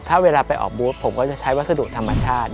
ถ้าเวลาไปออกบูธผมก็จะใช้วัสดุธรรมชาติ